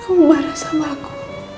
kamu marah sama aku